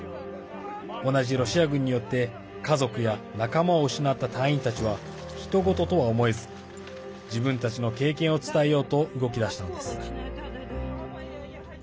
同じロシア軍によって家族や仲間を失った隊員たちはひと事とは思えず自分たちの経験を伝えようと動き出したのです。